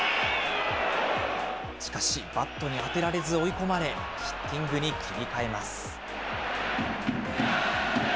しかし、バットに当てられず追い込まれ、ヒッティングに切り替えます。